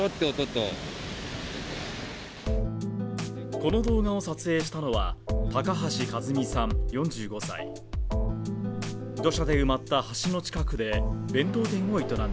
この動画を撮影したのは高橋一美さん